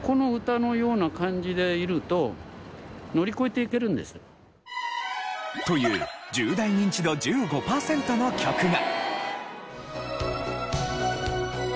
続いては。という１０代ニンチド１５パーセントの曲が。